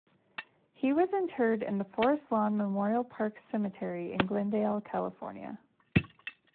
He was interred in the Forest Lawn Memorial Park Cemetery in Glendale, California.